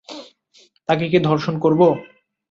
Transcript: তাকে কি ধর্ষণ করব?